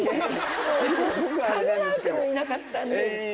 考えてもいなかったんで。